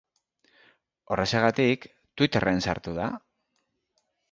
Horrexegatik, Twitterren sartu da.